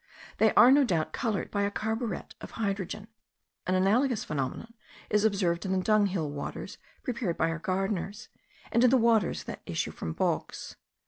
They are no doubt coloured by a carburet of hydrogen. An analogous phenomenon is observed in the dunghill waters prepared by our gardeners, and in the waters that issue from bogs.